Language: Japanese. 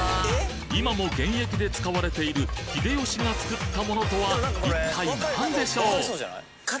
今も現役で使われている秀吉が造ったものとは一体なんでしょう？